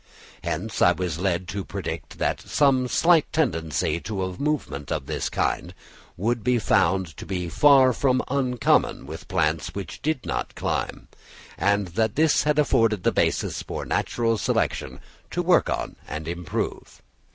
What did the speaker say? Hence, I was led to predict that some slight tendency to a movement of this kind would be found to be far from uncommon with plants which did not climb; and that this had afforded the basis for natural selection to work on and improve.